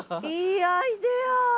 いいアイデア！